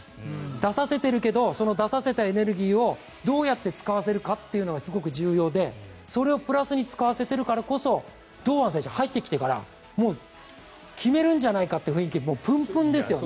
出させてるけど出させたエネルギーをどうやって使わせるかっていうのがすごく重要でそれをプラスに使っているから堂安選手入ってきてから決めるんじゃないかという雰囲気がプンプンですよね。